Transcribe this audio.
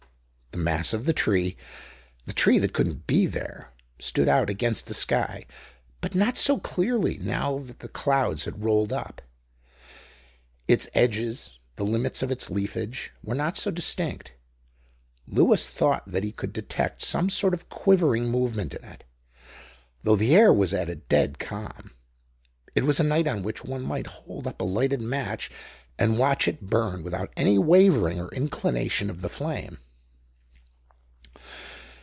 The mass of the tree—the tree that couldn't be there—stood out against the sky, but not so clearly, now that the clouds had rolled up. Its edges, the limits of its leafage, were not so distinct. Lewis thought that he could detect some sort of quivering movement in it; though the air was at a dead calm. It was a night on which one might hold up a lighted match and watch it burn without any wavering or inclination of the flame.